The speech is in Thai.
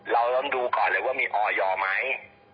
เราต้องดูก่อนเลยว่ามีออยไหม